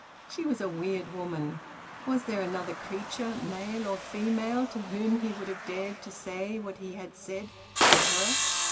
She was a weird woman. Was there another creature, male or female, to whom he would have dared to say what he had said to her?